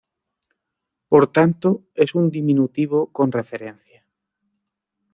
Por tanto es un diminutivo con referencia.